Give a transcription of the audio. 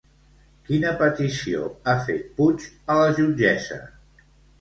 Quina petició ha fet Puig a la jutgessa?